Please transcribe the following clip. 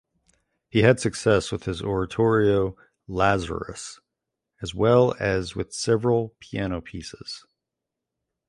He had success with his oratorio "Lazarus" as well as with several piano pieces.